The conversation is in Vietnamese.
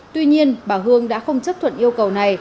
tuy nhiên bà hương đã không chấp thuận yêu cầu này